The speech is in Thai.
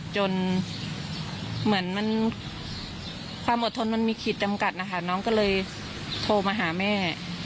จนเหมือนมันความอดทนมันมีขีดจำกัดนะคะน้องก็เลยโทรมาหาแม่